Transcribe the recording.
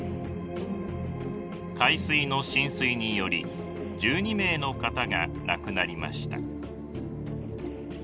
海水の浸水により１２名の方が亡くなりました。